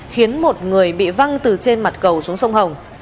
khiến một người bị văng từ trên mặt cầu xuống sông hồng